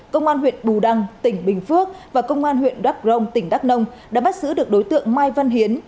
công an huyện bù đăng tỉnh bình phước và công an huyện đắk rông tỉnh đắk nông đã bắt giữ được đối tượng mai văn hiến